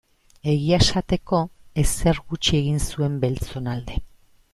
Egia esateko, ezer gutxi egin zuen beltzon alde.